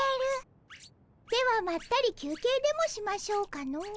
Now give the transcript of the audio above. ではまったり休憩でもしましょうかの。